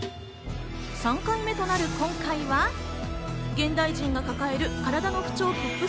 ３回目となる今回は、現代人が抱える体の不調